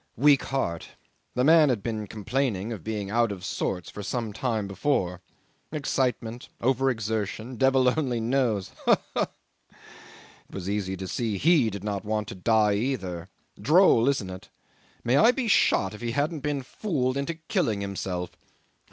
Weak heart. The man had been complaining of being out of sorts for some time before. Excitement. Over exertion. Devil only knows. Ha! ha! ha! It was easy to see he did not want to die either. Droll, isn't it? May I be shot if he hadn't been fooled into killing himself!